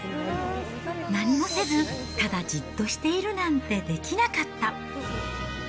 何もせずただじっとしているなんてできなかった。